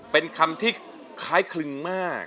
เป็นคำที่คล้ายคลึงมาก